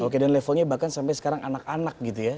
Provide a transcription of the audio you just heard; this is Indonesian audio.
oke dan levelnya bahkan sampai sekarang anak anak gitu ya